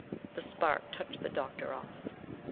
The spark touched the Doctor off.